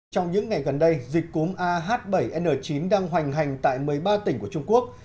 trong những ngày gần đây dịch cúm ah bảy n chín đang hoành hành tại một mươi ba tỉnh của trung quốc